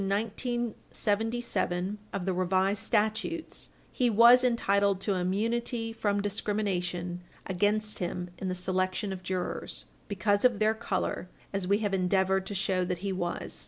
1977 of the Revised Statutes, he was entitled to immunity from discrimination against him in the selection of jurors because of their color, as we have endeavored to show that he was.